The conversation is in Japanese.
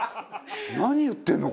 何言ってるの？